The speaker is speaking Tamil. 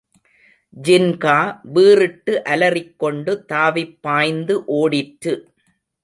ஜின்கா வீறிட்டு அலறிக்கொண்டு தாவிப் பாய்ந்து ஓடிற்று.